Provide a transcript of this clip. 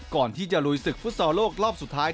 ก่อนที่จะลุยศึกฟุตซอลโลกรอบสุดท้าย